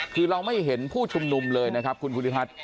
คือเราไม่เห็นผู้ชุมนุมเลยนะครับคุณภูริพัฒน์